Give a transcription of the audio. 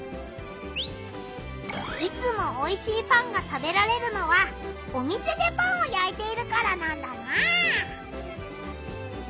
いつもおいしいパンが食べられるのはお店でパンをやいているからなんだな！